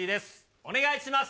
お願いします。